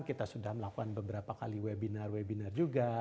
kita sudah melakukan beberapa kali webinar webinar juga